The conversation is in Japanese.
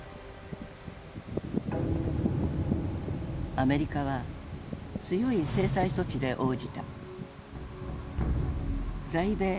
アメリカは強い制裁措置で応じた。